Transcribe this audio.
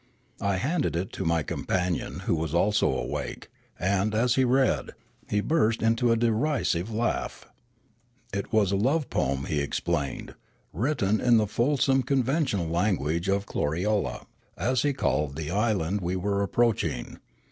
I handed it to my companion, who was also awake, and, as he read, he burst into a derisive laugh. It was a love poem, he explained, written in the fulsome con ventional language of Kloriole, as he called the island we were approaching.